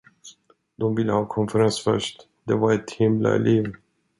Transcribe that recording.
De ville ha konferens först, det var ett himla liv.